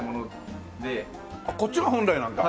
こっちが本来なんだ。